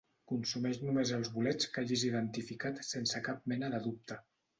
Consumeix només els bolets que hagis identificat sense cap mena de dubte.